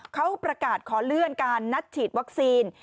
เขาประกาศขอเลื่อนการนัดฉีดวัคซีน